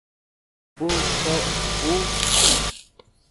Ú soʼö ú.